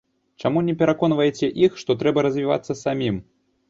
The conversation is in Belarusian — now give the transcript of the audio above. Чаму не пераконваеце іх, што трэба развівацца самім?